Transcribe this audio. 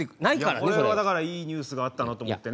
これはだからいいニュースがあったなと思ってね